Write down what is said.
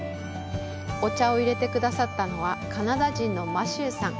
お茶を淹れてくださったのはカナダ人のマシューさん。